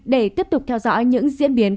để tiếp tục theo dõi những diễn biến